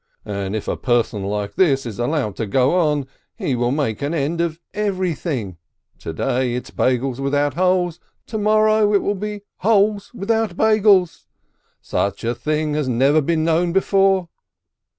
And if a person like this is allowed to go on, he will make an end of everything: to day it's Beigels without holes, to morrow it will be holes without Beigels ! Such a thing has never been known before